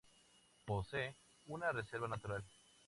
Posee una reserva natural.